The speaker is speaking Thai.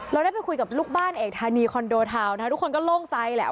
เราได้ไปคุยกับลูกบ้านเอกธานีคอนโดทาวน์นะคะทุกคนก็โล่งใจแหละ